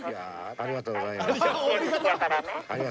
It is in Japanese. ありがとうございます。